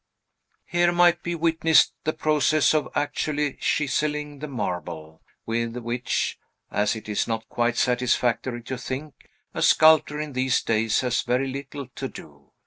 Here might be witnessed the process of actually chiselling the marble, with which (as it is not quite satisfactory to think) a sculptor in these days has very little to do.